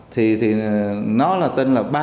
thì nó là tên là ba